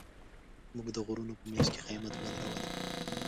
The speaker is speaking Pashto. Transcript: موږ د غرونو په منځ کې خېمه ودروله.